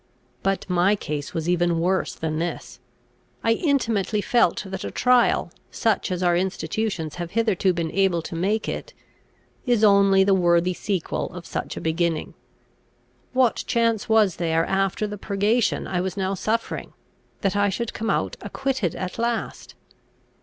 But my case was even worse than this. I intimately felt that a trial, such as our institutions have hitherto been able to make it, is only the worthy sequel of such a beginning. What chance was there after the purgation I was now suffering, that I should come out acquitted at last?